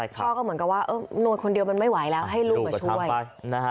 พ่อก็เหมือนกับว่านวดคนเดียวมันไม่ไหวแล้วให้ลูกมาช่วยนะฮะ